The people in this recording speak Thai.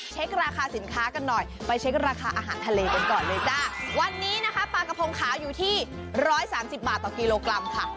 ราคาสินค้ากันหน่อยไปเช็คราคาอาหารทะเลกันก่อนเลยจ้าวันนี้นะคะปลากระพงขาวอยู่ที่ร้อยสามสิบบาทต่อกิโลกรัมค่ะ